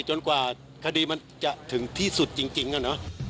จนกว่าคดีมันจะถึงที่สุดจริงอะเนาะ